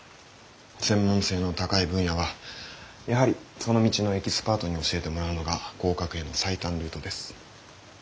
専門性の高い分野はやはりその道のエキスパートに教えてもらうのが合格への最短ルートです。